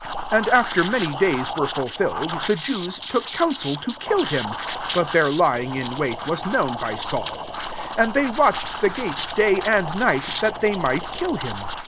23 And after many days were Lilfilled, the Jews took counsel o kill him : 24 (but their lying Q wait was known by Saul :) od they watched the gates day nd night, that they might kill dm.